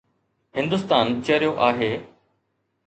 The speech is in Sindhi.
هندستان چريو آهي؟